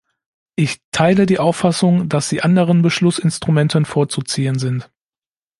Ich teile die Auffassung, dass sie anderen Beschlussinstrumenten vorzuziehen sind.